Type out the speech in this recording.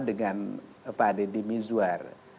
dengan pak deddy mizun